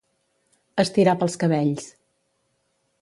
Estirar pels cabells.